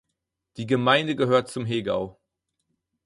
Die Gemeinde gehört zum Hegau.